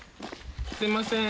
すいません。